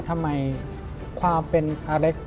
ทำไมความเป็นอเล็ก